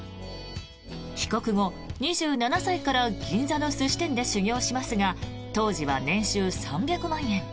帰国後、２７歳から銀座の寿司店で修業しますが当時は年収３００万円。